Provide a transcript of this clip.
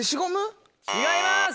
違います！